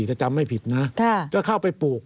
ถ้าจำไม่ผิดนะก็เข้าไปปลูก